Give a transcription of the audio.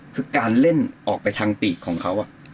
คือการเล่นออกไปทางปีกของเขา